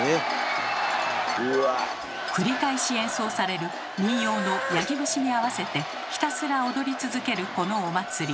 繰り返し演奏される民謡の「八木節」に合わせてひたすら踊り続けるこのお祭り。